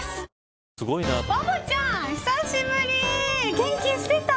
元気してた。